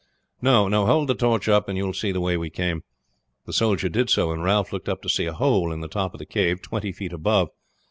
"No. Hold the torch up and you will see the way we came." The soldier did so, and Ralph looking up saw a hole in the top of the cave twenty feet above.